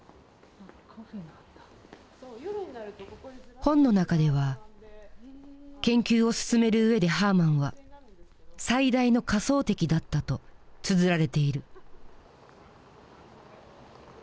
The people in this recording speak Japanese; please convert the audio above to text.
本の中では研究を進める上でハーマンは最大の仮想敵だったとつづられている。